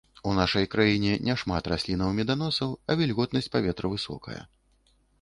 У нашай краіне не шмат раслінаў-меданосаў, а вільготнасць паветра высокая.